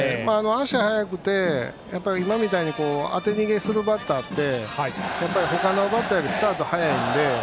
足が速くて、今みたいに当て逃げするバッターって他のバッターよりスタートが早いので。